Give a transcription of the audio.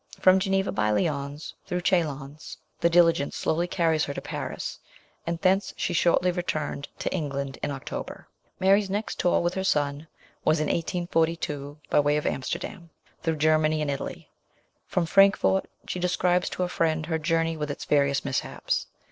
From Geneva by Lyons, through Chalons, the diligence slowly carries her to Paris, and thence she shortly returned to England in October. Mary's next tour with her son was in 1842, by way of Amsterdam, through Germany and Italy. From Frankfort she describes to a friend her journey with its various mishaps.